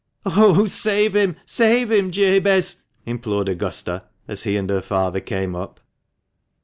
" Oh ! save him ; save him, Jabez !" implored Augusta, as he and her father came up.